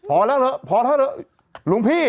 พอแล้วพอแล้วหลุงพี่